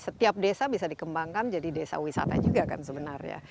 setiap desa bisa dikembangkan jadi desa wisata juga kan sebenarnya